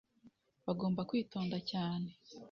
bagomba kwitonda cyane